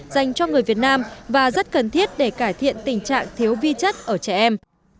dành cho người việt nam và rất cần thiết để cải thiện tình trạng thiếu vi chất ở trẻ em